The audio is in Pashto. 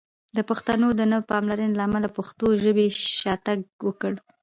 د پښتنو د نه پاملرنې له امله پښتو ژبې شاتګ وکړ!